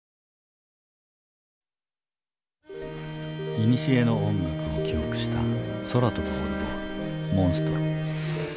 いにしえの音楽を記憶した空飛ぶオルゴール「モンストロ」。